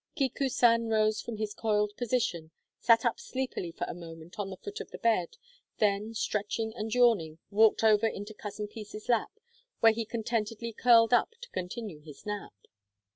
Kiku san rose from his coiled position, sat up sleepily for a moment on the foot of the bed, then, stretching and yawning, walked over into Cousin Peace's lap, where he contentedly curled up to continue his nap.